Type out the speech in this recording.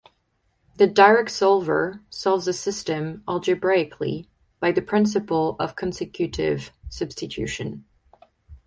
The "direct solver" solves a system algebraically by the principle of consecutive substitution.